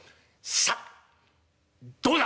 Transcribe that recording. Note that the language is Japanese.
さっどうだ」。